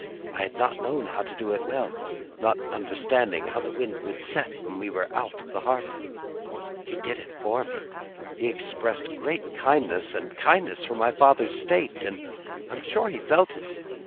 I had not known how to do it well, not understanding how the wind would set when we were out of the harbour. He did it for me. He expressed great gentleness and kindness for my father's state, and I am sure he felt it.